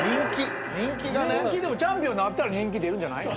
チャンピオンになったら人気出るんじゃないの！？